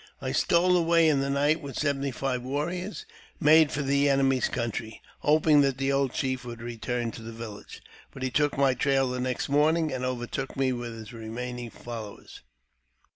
I stole away in the night with seventy five warriors, and made for the enemy's country, hoping that the old chief would return to the village. But he took my trail the next morning, and overtook me with his remaining followers.